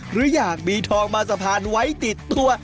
หรืออยากมีทองมาสะพานไว้ติดตัว